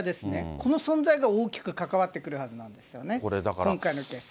この存在が大きく関わってくるはずなんですよね、今回のケース。